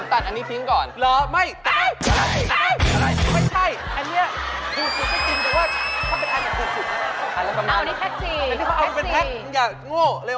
ถ้าเป็น๔ก้น